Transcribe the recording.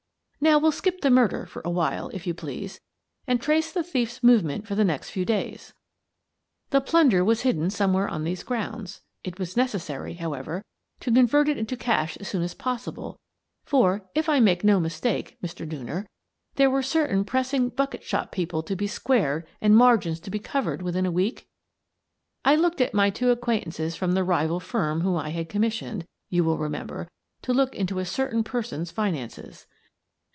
" Now, we'll skip the murder for awhile, if you please, and trace the thief s movements for the next few days. The plunder was hidden somewhere on these grounds. It was necessary, however, to con vert it into cash as soon as possible, for, if I make no mistake, Mr. Dooner, there were certain pressing bucket shop people to be squared and margins to be covered within a week?" I looked at my two acquaintances from the rival firm whom I had commissioned, you will remember, to look into a certain person's finances.